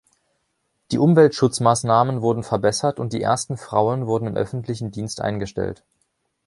Die Umweltschutzmaßnahmen wurden verbessert und die ersten Frauen wurden im öffentlichen Dienst eingestellt.